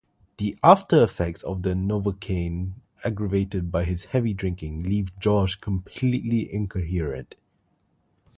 The after-effects of the novocaine, aggravated by his heavy drinking, leave George completely incoherent.